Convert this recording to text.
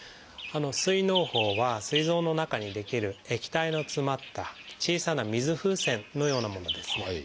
膵のう胞はすい臓の中に出来る液体の詰まった小さな水風船のようなものですね。